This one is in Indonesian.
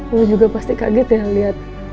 lu juga pasti kaget ya lihat